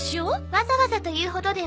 わざわざというほどでは。